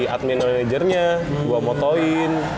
admin managernya gua motoin